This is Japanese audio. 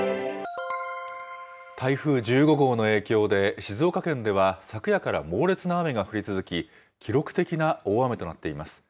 台風１５号の影響で、静岡県では昨夜から猛烈な雨が降り続き、記録的な大雨となっています。